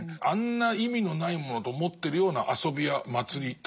あんな意味のないものと思ってるような遊びや祭り